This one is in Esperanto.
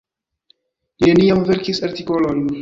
Li neniam verkis artikolojn.